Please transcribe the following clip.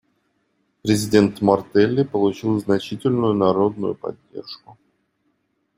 Президент Мартелли получил значительную народную поддержку.